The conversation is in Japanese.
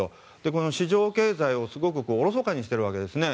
この市場経済をすごくおろそかにしているわけですね。